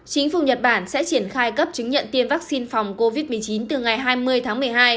chính phủ nhật bản sẽ triển khai cấp chứng nhận tiêm vaccine phòng covid một mươi chín từ ngày hai mươi tháng một mươi hai